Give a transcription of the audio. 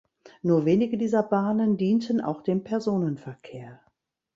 Nur wenige dieser Bahnen dienten auch dem Personenverkehr.